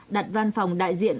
đặt văn phòng đại diện